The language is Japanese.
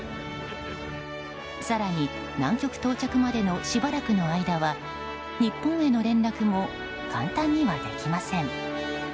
更に、南極到着までのしばらくの間は日本への連絡も簡単にはできません。